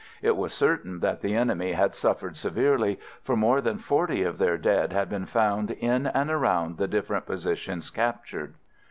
It was certain that the enemy had suffered severely, for more than forty of their dead had been found in and around the different positions captured.